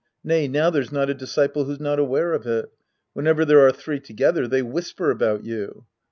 Nay, now there's not a disciple who's not aware of it. Whenever there are three together, they whisper about you.